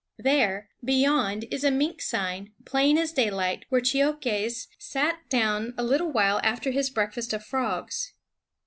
There, beyond, is a mink sign, plain as daylight, where Cheokhes sat down a little while after his breakfast of frogs.